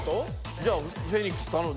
じゃあフェニックス頼む。